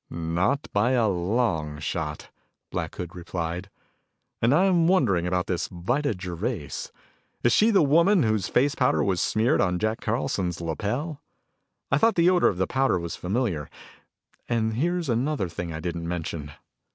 "Not by a long shot," Black Hood replied. "And I'm wondering about this Vida Gervais. Is she the woman whose face powder was smeared on Jack Carlson's lapel? I thought the odor of the powder was familiar. And here's another thing I didn't mention."